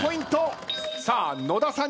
さあ野田さんについた。